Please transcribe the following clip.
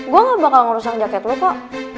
gua ga bakal ngerusak jaket lu kok